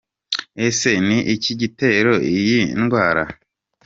Ese ni iki gitera iyi ndwara?.